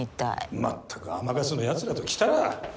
まったく甘春のやつらときたら。